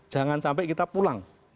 jangan sampai kita pulang